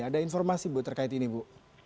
ada informasi bu terkait ini bu